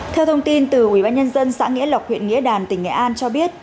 theo thông tin từ ubnd xã nghĩa lộc huyện nghĩa đàn tỉnh nghệ an cho biết